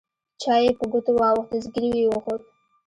چای يې په ګوتو واوښت زګيروی يې وخوت.